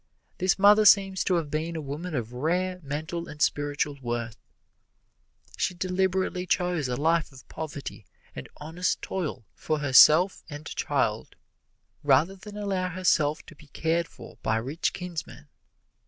This mother seems to have been a woman of rare mental and spiritual worth. She deliberately chose a life of poverty and honest toil for herself and child, rather than allow herself to be cared for by rich kinsmen.